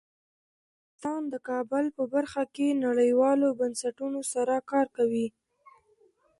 افغانستان د کابل په برخه کې نړیوالو بنسټونو سره کار کوي.